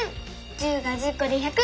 １０が１０こで１００！